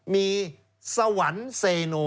มีสวรรค์เซโน